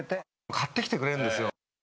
買ってきてくれるんですよ。